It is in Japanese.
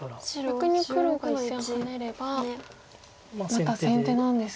逆に黒が１線ハネればまた先手なんですか。